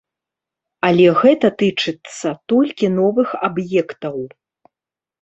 Але гэта тычыцца толькі новых аб'ектаў.